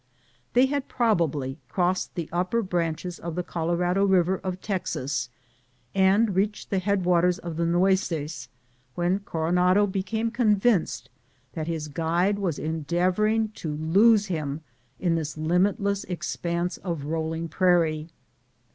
They had probably crossed the upper branches of the Colorado Biver of Texas and reached the headwaters of the Nueces, when Coronado became convinced that his guide was endeavoring to lose hi™ in this limitless expanse of rolling prairie.